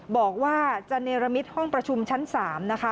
บอกว่าจะเนรมิตห้องประชุมชั้น๓นะคะ